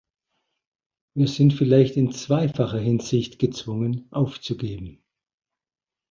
Wir sind vielleicht in zweifacher Hinsicht gezwungen, aufzugeben.